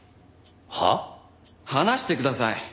話してください。